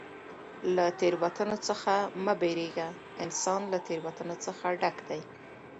له تېروتنو څخه مه بېرېږه! انسان له تېروتنو څخه ډک دئ.